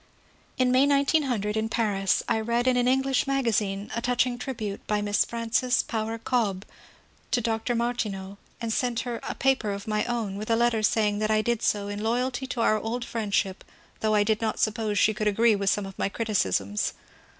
In May, 1900, in Paris, I read in an English magazine a touching tribute by Miss Frances Power Cobbe to Dr. Mar LETTER FROM FRANCES POWER COBBE 441 tineau and sent her a paper of my own, with a letter saying that I did so in loyalty to our old friendship though I did not suppose she could agree with some of my criticisms.